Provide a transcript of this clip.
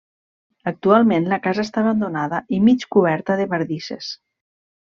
Actualment la casa està abandonada i mig coberta de bardisses.